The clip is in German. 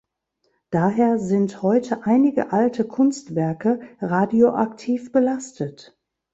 Daher sind heute einige alte Kunstwerke radioaktiv belastet.